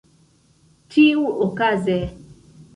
tiuokaze